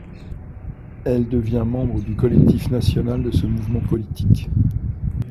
Elle devient membre du collectif national de ce mouvement politique.